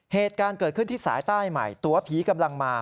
เหตุการณ์เกิดขึ้นที่สายใต้ใหม่ตัวผีกำลังมา